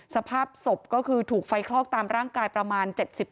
สภาพศพก็คือถูกไฟคลอกตามร่างกายประมาณ๗๐